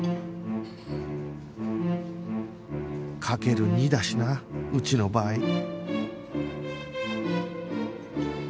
かける２だしなうちの場合